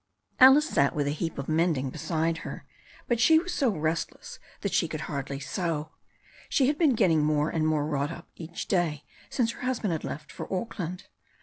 Alice sat with a heap of mending beside her, but she was so restless that she could hardly sew. She had been get ting more and more wrought up each day since her husband had left for Auckland.